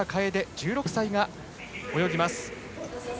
１６歳が泳ぎます。